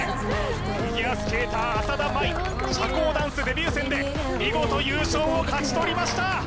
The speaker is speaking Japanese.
フィギュアスケーター浅田舞社交ダンスデビュー戦で見事優勝を勝ち取りました！